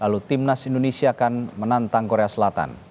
lalu timnas indonesia akan menantang korea selatan